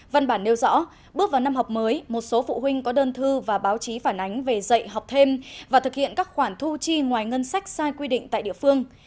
văn bản nêu rõ bước vào năm học mới một số phụ huynh có đơn thư và báo chí phản ánh về dạy học thêm và thực hiện các khoản thu chi ngoài ngân sách sai quy định tại địa phương